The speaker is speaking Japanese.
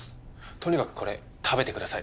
とにかくこれ食べてください